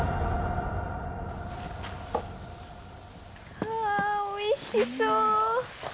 うわおいしそう！